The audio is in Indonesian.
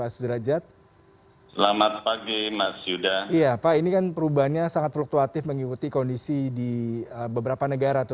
selamat pagi pak sudrajat